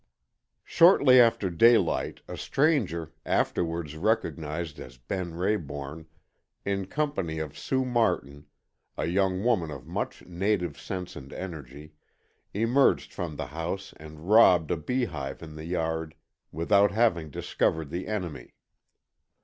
Shortly after daylight a stranger, afterwards recognized as Ben Rayborn, in company of Sue Martin, a young woman of much native sense and energy, emerged from the house and "robbed" a beehive in the yard without having discovered the enemy.